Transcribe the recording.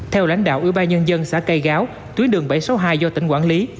theo lãnh đạo ủy ban nhân dân xã cây gáo tuyến đường bảy trăm sáu mươi hai do tỉnh quản lý